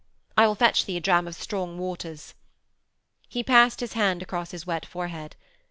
'I will fetch thee a dram of strong waters.' He passed his hand across his wet forehead.